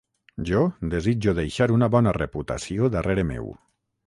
Jo desitjo deixar una bona reputació darrere meu.